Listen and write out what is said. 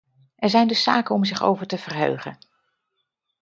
Er zijn dus zaken om zich over te verheugen.